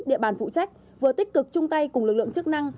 địa bàn phụ trách vừa tích cực chung tay cùng lực lượng chức năng